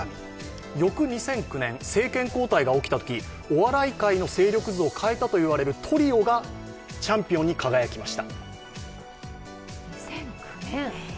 翌、２００９年お笑い界わの勢力図を変えたと言われるトリオがチャンピオンに輝きました。